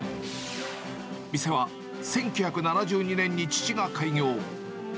店は１９７２年に父が開業。